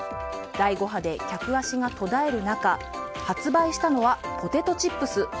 第５波で客足が途絶える中発売したのはポテトチップス。